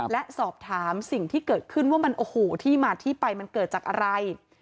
และสอบถามสิ่งที่เกิดขึ้นว่ามันโอ้โหที่มาที่ไปมันเกิดจากอะไร